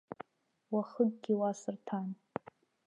Уахыкгьы уа сырҭан.